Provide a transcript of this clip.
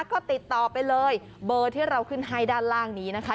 ก็ติดต่อไปเลยเบอร์ที่เราขึ้นให้ด้านล่างนี้นะคะ